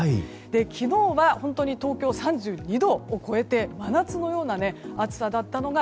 昨日は本当に東京３２度を超えて真夏のような暑さだったのが